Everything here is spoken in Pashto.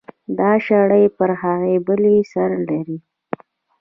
دا شړۍ پر هغې بلې سر لري.